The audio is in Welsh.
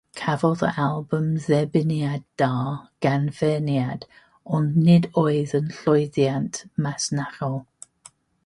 Cafodd yr albwm dderbyniad da gan feirniaid, ond nid oedd yn llwyddiant masnachol.